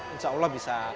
insya allah bisa